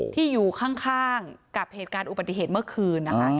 ที่อยู่ข้างกับเหตุการณ์อุบัติเหตุเมื่อคืนนะคะ